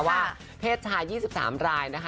ว่าเพศชาย๒๓รายนะคะ